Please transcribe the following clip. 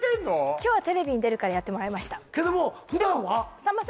今日はテレビに出るからやってもらいましたけどもふだんは？